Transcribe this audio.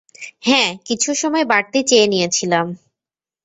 হ্যাঁ, কিছু সময় বাড়তি চেয়ে নিয়েছিলাম।